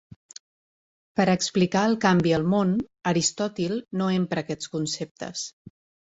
Per a explicar el canvi al món, Aristòtil no empra aquests conceptes.